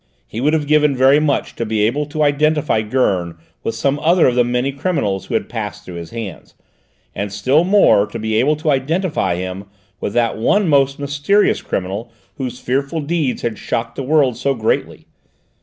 He would have given very much to be able to identify Gurn with some other of the many criminals who had passed through his hands, and still more to be able to identify him with that one most mysterious criminal whose fearful deeds had shocked the world so greatly.